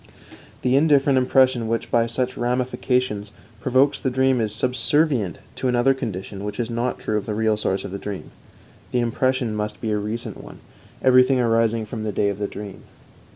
The indifferent impression which, by such ramifications, provokes the dream is subservient to another condition which is not true of the real source of the dream the impression must be a recent one, everything arising from the day of the dream.